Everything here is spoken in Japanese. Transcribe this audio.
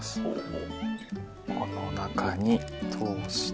この中に通して。